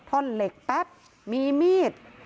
ท่อนเหล็กแป๊บมีมีด